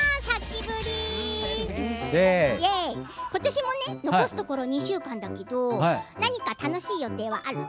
今年も残すところあと２週間だけど何か楽しい予定はあるの？